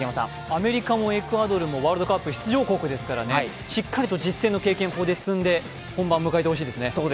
アメリカもエクアドルもワールドカップ出場国ですからしっかりと実戦の経験をここで積んで、本番迎えてほしいですね。